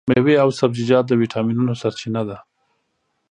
مېوې او سبزیجات د ویټامینونو سرچینه ده.